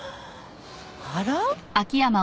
あら？